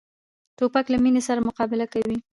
توپک له مینې سره مقابله کوي.